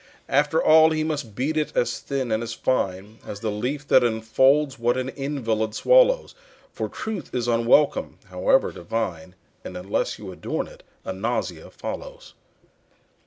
After all he must beat it as thin and as fine As the leaf that enfolds what an invalid swallows, For truth is unwelcome, however divine, And unless you adorn it, a nausea follows.